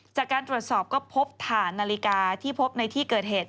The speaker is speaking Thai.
จากการตรวจสอบก็พบถ่านนาฬิกาที่พบในที่เกิดเหตุ